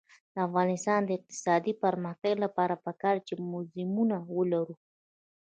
د افغانستان د اقتصادي پرمختګ لپاره پکار ده چې موزیمونه ولرو.